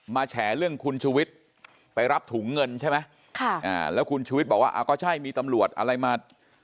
แฉเรื่องคุณชุวิตไปรับถุงเงินใช่ไหมค่ะอ่าแล้วคุณชุวิตบอกว่าอ่าก็ใช่มีตำรวจอะไรมา